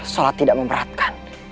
salat tidak memeratkan